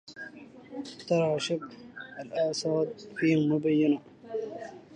ترى شبه الآساد فيهم مبينا